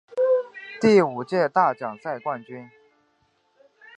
第五届大奖赛冠军。